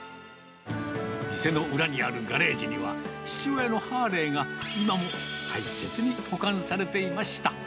店の裏にあるガレージには、父親のハーレーが今も大切に保管されていました。